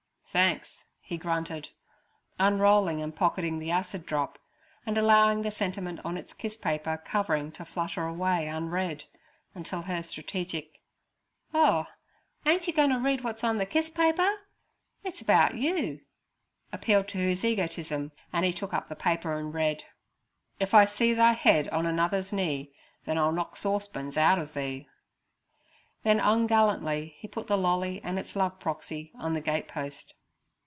'Thanks' he grunted, unrolling and pocketing the acid drop, and allowing the sentiment on its kiss paper covering to flutter away unread, until her strategic— 'Oh, ain't yer goin' ter read wot's on ther kiss paper? It's about you' appealed to his egotism and he took up the paper and read: 'If I see thy head on another's knee, Then I'll knock saucepans out of thee'; then ungallantly he put the lolly and its love proxy on the gatepost.